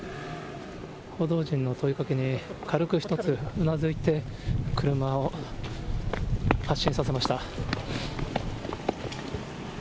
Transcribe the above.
報道陣の問いかけに軽く一つうなずいて、車を発進させました。